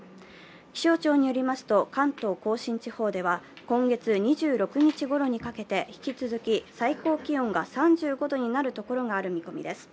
気象庁によりますと関東甲信地方では今月２６日ごろにかけて引き続き最高気温が３５度になるところがある見込みです。